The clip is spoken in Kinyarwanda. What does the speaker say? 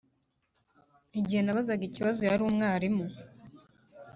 igihe nabazaga ikibazo, yari umwarimu.